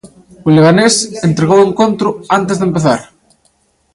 O Leganés entregou o encontro antes de empezar.